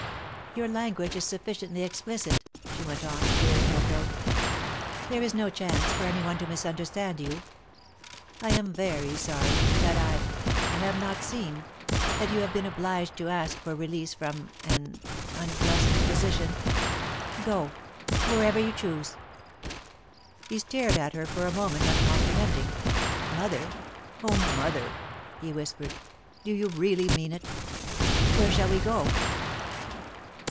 "Your language is sufficiently explicit," she went on, clearing her throat. "There is no chance for anyone to misunderstand you. I am very sorry that I I have not seen, that you have been obliged to ask for release from an unpleasant position. Go whenever you choose." He stared at her for a moment, uncomprehending. "Mother! Oh, Mother!" he whispered. "Do you really mean it? Where shall we go?"